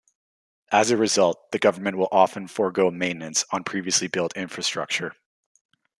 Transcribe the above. As a result, the government will often forgo maintenance on previously built infrastructure.